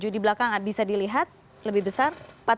tujuh di belakang bisa dilihat lebih besar